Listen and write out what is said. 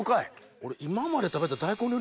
俺。